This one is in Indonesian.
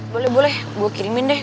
boleh boleh gue kirimin deh